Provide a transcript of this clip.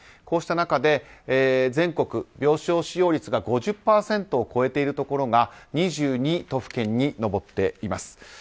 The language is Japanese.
こうした中で全国病床使用率が５０％を超えているところが２２都府県に上っています。